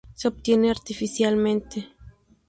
Se obtiene artificialmente.